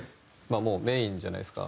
もうメインじゃないですか。